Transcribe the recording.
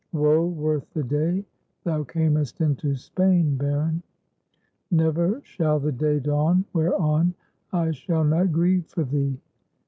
Woe worth the day thou camest into Spain, Baron! Never shall the day dawn whereon I shall not grieve for thee.